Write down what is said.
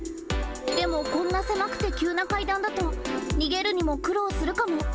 でもこんな狭くて急な階段だと逃げるにも苦労するかも。